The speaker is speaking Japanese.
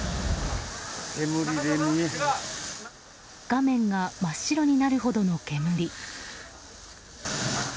画面が真っ白になるほどの煙。